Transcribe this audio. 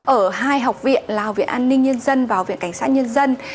ở hai học viện là học viện an ninh nhân dân và viện cảnh sát nhân dân